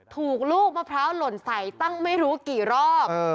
ถูกลูกมะพร้าวหล่นใส่ตั้งไม่รู้กี่รอบ